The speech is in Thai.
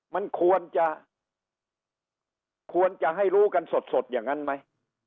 มันควรจะควรจะให้รู้กันสดอย่างนั้นไหม